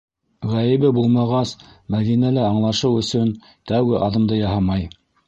Ғәйебе булмағас, Мәҙинә лә аңлашыу өсөн тәүге аҙымды яһамай.